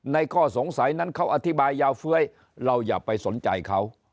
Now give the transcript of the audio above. ข้อสงสัยนั้นเขาอธิบายยาวเฟ้ยเราอย่าไปสนใจเขา